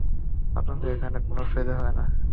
আপনাদের এখানে কোনো অসুবিধা হবে না।